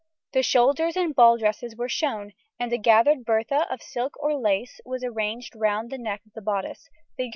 The shoulders in ball dresses were shown, and a gathered Bertha of silk or lace was arranged round the neck of bodice, Fig.